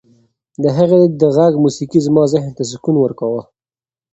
د هغې د غږ موسیقي زما ذهن ته سکون ورکاوه.